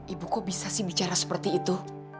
ibu kok bisa sih bicara seperti itu